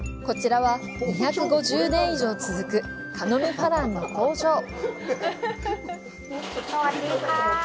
こちらは、２５０年以上続く「カノムファラン」の工場。